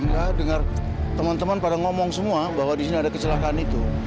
enggak dengar temen temen pada ngomong semua bahwa disini ada kecelakaan itu